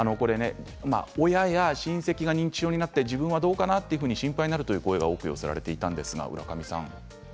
親や親戚が認知症になって自分はどうかなと心配になるという声が多く寄せられていました。